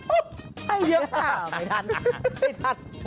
อุ๊ยให้เยอะค่ะ